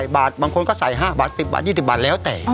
บางคนก็ใส่๕บาท๑๐บาท๒๐บาทแล้วแต่